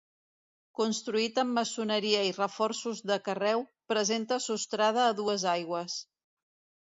Construït en maçoneria i reforços de carreu, presenta sostrada a dues aigües.